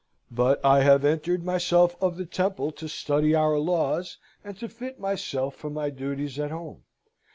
"But I have entered myself of the Temple, to study our laws, and to fit myself for my duties at home.